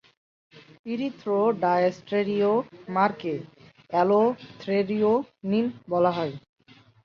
"ইরিথ্রো" ডায়াস্টেরিওমারকে "অ্যালো-থ্রেওনিন" বলা হয়।